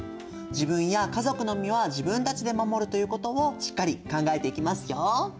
自分や家族の身は自分たちで守るということをしっかり考えていきますよ。